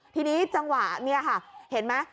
ทีนี้จังหวะนี่ค่ะเห็นไหม